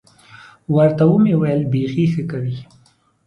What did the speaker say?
ورته ومې ویل بيخي ښه کوې.